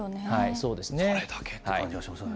それだけって感じがしますよね。